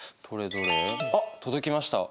あっ届きました。